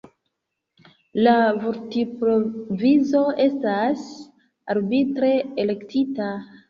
La vortprovizo estas arbitre elektita.